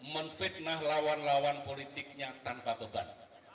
menfitnah lawan lawan politiknya tanpa beban